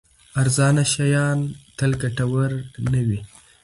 ارزانه شیان تل ګټور نه وي.